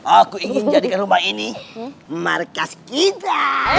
aku ingin jadikan rumah ini markas kita